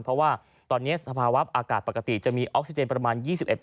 เพราะว่าตอนนี้สภาวะอากาศปกติจะมีออกซิเจนประมาณ๒๑